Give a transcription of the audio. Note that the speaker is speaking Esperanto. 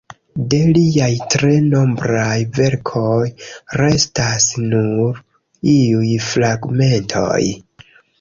De liaj tre nombraj verkoj restas nur iuj fragmentoj.